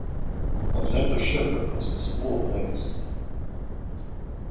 A pound of sugar costs more than eggs.